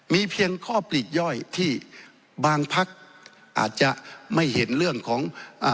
มีเพียงข้อปลีกย่อยที่บางพักอาจจะไม่เห็นเรื่องของ